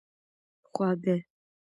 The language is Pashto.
خواږه